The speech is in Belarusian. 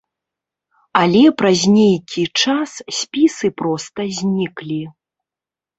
Але праз нейкі час спісы проста зніклі.